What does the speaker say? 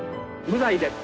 無罪です。